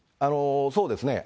そうですね。